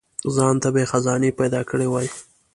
ځانته به یې خزانې پیدا کړي وای.